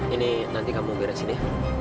ini nanti kamu beresin deh